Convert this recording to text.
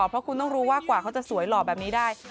เพราะคุณต้องรู้ว่ากว่าเขาจะสวยหล่อแบบนี้ได้